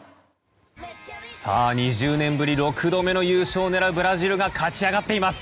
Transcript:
２０年ぶり６度目の優勝を狙うブラジルが勝ち上がっています。